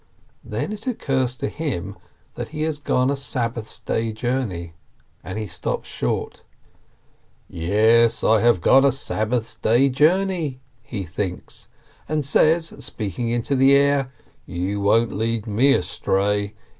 Then it occurs to him that he has gone a Sabbath day's journey, and he stops short. "Yes, I have gone a Sabbath day's journey," he thinks, and says, speaking into the air : "You won't lead me astray